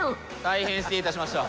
大変失礼いたしました。